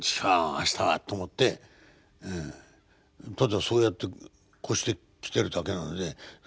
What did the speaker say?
明日は」と思ってただそうやってこうしてきてるだけなので。